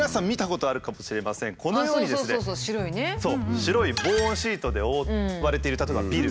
白い防音シートで覆われている例えばビル。